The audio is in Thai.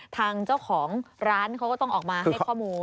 ทางเจ้าของร้านเขาก็ต้องออกมาให้ข้อมูล